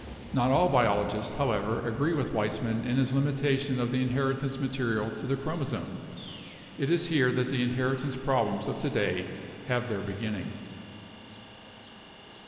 Not all biologists, however, agree with Weismann in his limitation of the inheritance ma terial to the chromosomes. It is here that the inheritance problems of to day have their beginning.